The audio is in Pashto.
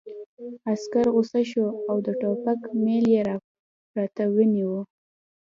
عسکر غوسه شو او د ټوپک میل یې راته ونیو